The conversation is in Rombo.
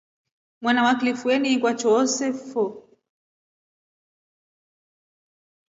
Mwana wa kilifu einingwa choose kilya fo.